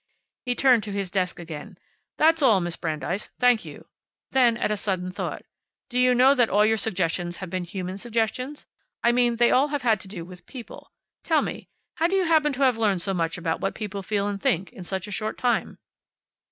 He turned to his desk again. "That's all, Miss Brandeis. Thank you." Then, at a sudden thought. "Do you know that all your suggestions have been human suggestions? I mean they all have had to do with people. Tell me, how do you happen to have learned so much about what people feel and think, in such a short time?"